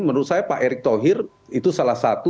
menurut saya pak erick thohir itu salah satu